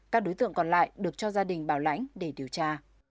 các đối tượng còn lại được cho gia đình bảo lãnh để điều tra